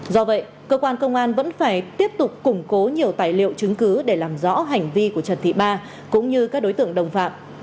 do vậy cơ quan công an vẫn phải tiếp tục củng cố nhiều tài liệu chứng cứ để làm rõ hành vi của trần thị ba cũng như các đối tượng đồng phạm